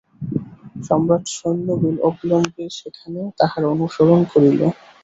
সম্রাট-সৈন্য অবিলম্বে সেখানেও তাঁহার অনুসরণ করিল।